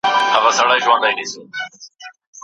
څه شی بېړنۍ غونډه له لوی ګواښ سره مخ کوي؟